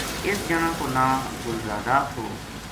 اس جنا کو ناں گل زادا تھو